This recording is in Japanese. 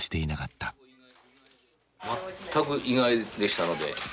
まったく意外でしたので。